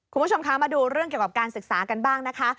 คุณผู้ชมคะมาดูเรื่องเกี่ยวกับการศึกษากันบ้างนะคะ